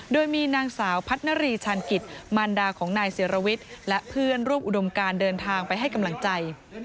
โดยมีนางสาวพัฒนารีชาญกิจมารดาของนายศิรวิทย์และเพื่อนร่วมอุดมการเดินทางไปให้กำลังใจ